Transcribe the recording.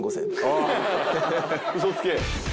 嘘つけ。